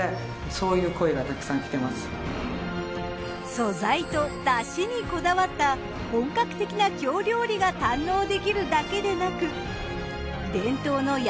素材と出汁にこだわった本格的な京料理が堪能できるだけでなく伝統の山